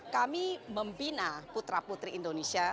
kami membina putra putri indonesia